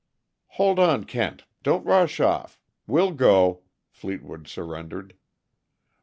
"Hold on, Kent! Don't rush off we'll go," Fleetwood surrendered.